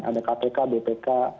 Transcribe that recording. ada kpk bpk